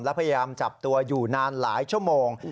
และพยายามจับตัวอยู่นานหลายชั่วโมง